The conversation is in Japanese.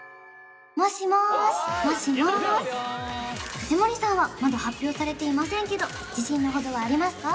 藤森さんはまだ発表されていませんけど自信のほどはありますか？